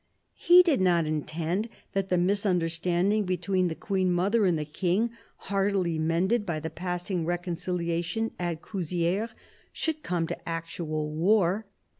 He did not intend that the misunderstandings between the Queen mother and the King, hardly mended by the passing reconciliation at Couzieres, should come to actual war.